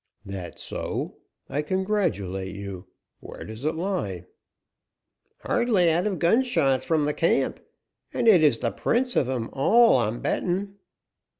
"That so? I congratulate you. Where does it lie?" "Hardly out of gunshot from the camp, and it is the prince of 'em all, I'm bettin'."